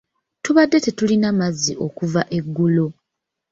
Tubadde tetulina mazzi okuva eggulo.